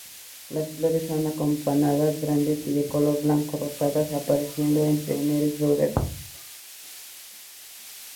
Las flores son acampanadas, grandes y de color blanco-rosadas, apareciendo entre enero y febrero.